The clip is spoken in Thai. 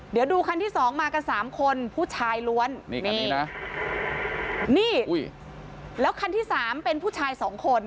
เดี๋ยวดูคันที่๒มากัน๓คนผู้ชายล้วนนี่คันที่๓เป็นผู้ชาย๒คน